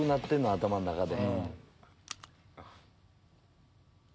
頭の中で。